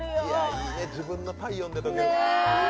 いいね、自分の体温で溶ける。